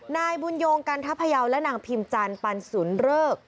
นายบุญโยงกันทะพยาวและนางพิมจันทร์ปันสุนเริก